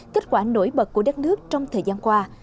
kết quả nổi bật của đất nước trong thời gian qua